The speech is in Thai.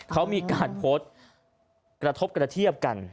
เขามีการโพสต์กระทบกระเทียบกัน